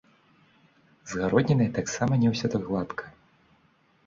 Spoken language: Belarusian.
З гароднінай таксама не ўсё так гладка.